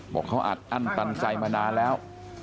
บอกเขาอัดอั้นตันใจมานานแล้ว